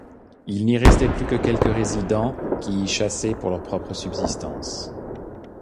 Il n'y restait plus que quelques résidents qui y chassaient pour leur propre subsistance.